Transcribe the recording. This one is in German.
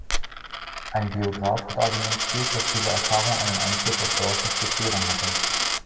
Ein Biograf hat argumentiert, dass diese Erfahrung einen Einfluss auf Dawsons Bekehrung hatte.